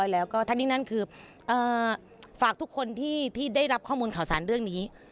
แล้วก็ทั้งนี้นั้นคือฝากทุกคนที่ได้รับข้อมูลข่าวสารเรื่องนี้